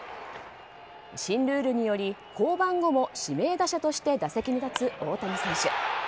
新ルールにより降板後も指名打者として打席に立つ大谷選手。